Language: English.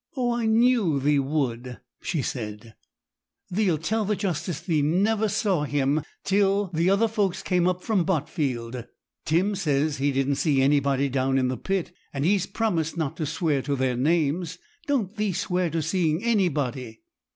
'Oh, I knew thee would!' she said; 'thee'lt tell the justice thee never saw him there till the other folks came up from Botfield. Tim says he didn't see anybody down in the pit, and he's promised not to swear to their names. Don't thee swear to seeing anybody.'